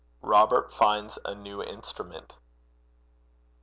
ROBERT FINDS A NEW INSTRUMENT.